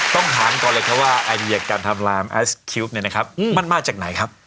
ต้องถามก่อนเลยไอเดียการทำลามไอซ์คิวบ์มันมาจากไหนครับ